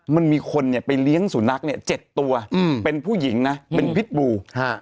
มันมีคนไปเลี้ยงสุนัข๗ตัวเป็นผู้หญิงนะเป็นพิษบูร์